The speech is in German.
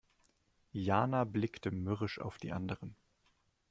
Jana blickte mürrisch auf die anderen.